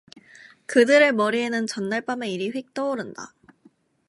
그들의 머리에는 전날 밤 일이 휙 떠오른다.